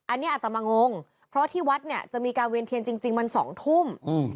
อันนี้อัตมางงเพราะที่วัดเนี่ยจะมีการเวียนเทียนจริงมัน๒ทุ่ม